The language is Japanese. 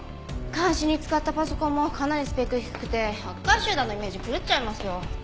監視に使ったパソコンもかなりスペック低くてハッカー集団のイメージ狂っちゃいますよ。